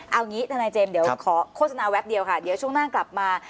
เอางี้ทนายเจมส์เดี๋ยวขอโฆษณาแวบเดียวค่ะเดี๋ยวช่วงหน้ากลับมา